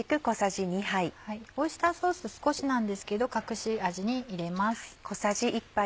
オイスターソース少しなんですけど隠し味に入れます。